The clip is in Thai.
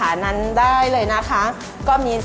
การที่บูชาเทพสามองค์มันทำให้ร้านประสบความสำเร็จ